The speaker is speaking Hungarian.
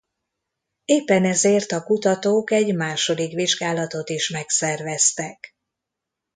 Éppen ezért a kutatók egy második vizsgálatot is megszerveztek.